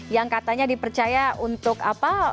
yang katanya dipercaya untuk apa